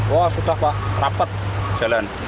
wah sudah pak rapat jalan